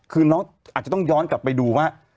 คือน้องอาจจะต้องย้อนกลับไปดูว่า